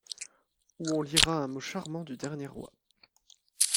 Où on lira un mot charmant du dernier roi